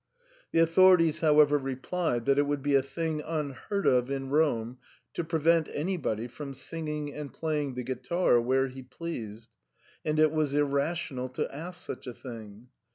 The authorities, however, replied that it would be a thing unheard of in Rome to prevent anybody from singing and playing the guitar where he pleased, and it was irrational to ask such a thing.